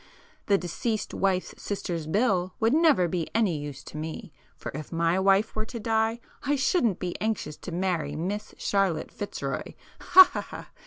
The Deceased Wife's Sister's Bill would never be any use to me, for if my wife were to die I shouldn't be anxious to marry Miss Charlotte Fitzroy! Ha ha ha!